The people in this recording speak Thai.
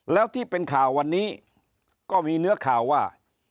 แล้วที่เป็นข่าววันนี้ก็มีเนื้อข่าวว่า